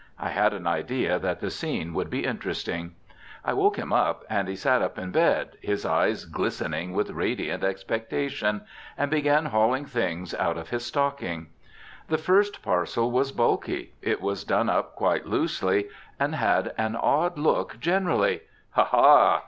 I had an idea that the scene would be interesting. I woke him up and he sat up in bed, his eyes glistening with radiant expectation, and began hauling things out of his stocking. The first parcel was bulky; it was done up quite loosely and had an odd look generally. "Ha! ha!"